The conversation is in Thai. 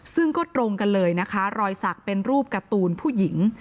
ซึ่งก็ตรงกันเลยนะคะรอยสักเป็นรูปการ์ตูนผู้หญิง